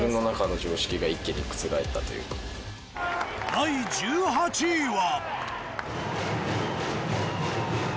第１８位は。